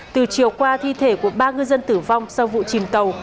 từ chiều qua thi thể của ba ngư dân tử vong sau vụ chìm tàu